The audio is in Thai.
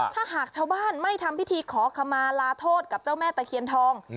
ถ้าหากชาวบ้านไม่ทำพิธีขอขมาลาโทษกับเจ้าแม่ตะเคียนทอง